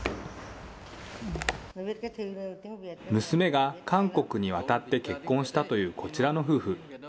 娘が韓国に渡って結婚したというこちらの夫婦。